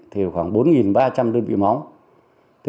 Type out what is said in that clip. thì khoảng bốn đơn vị